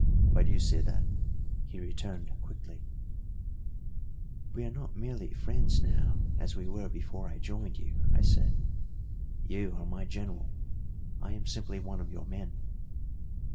"Why do you say that?" he returned quickly. "We are not merely friends now as we were before I joined you," I said. "You are my General; I am simply one of your men."